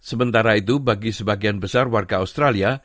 sementara itu bagi sebagian besar warga australia